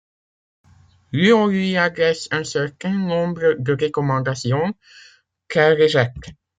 Luo lui adresse un certain nombre de recommandations, qu'elle rejette.